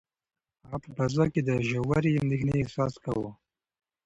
هغه په فضا کې د ژورې اندېښنې احساس کاوه.